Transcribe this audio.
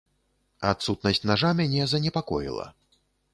Адсутнасць нажа мяне занепакоіла.